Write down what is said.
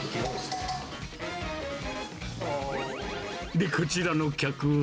で、こちらの客は。